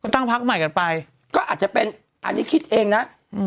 ตั้งพักใหม่กันไปก็อาจจะเป็นอันนี้คิดเองนะ